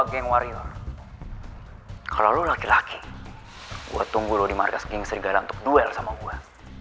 kalo lo geng warrior kalo lo laki laki gue tunggu lo di markas geng serigala untuk duel sama gue